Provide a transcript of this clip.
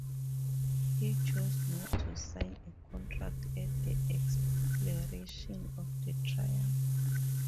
He chose not to sign a contract at the expiration of the trial.